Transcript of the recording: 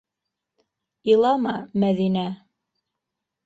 Илама, Мәҙинә.